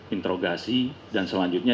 interogasi dan selanjutnya